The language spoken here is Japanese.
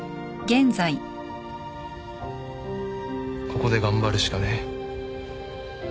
ここで頑張るしかねえ。